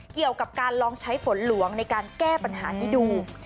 เกี่ยวกับการลองใช้ฝนหลวงในการแก้ปัญหานี้ดู